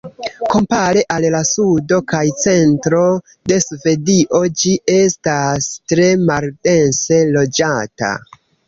Kompare al la sudo kaj centro de Svedio, ĝi estas tre maldense loĝata.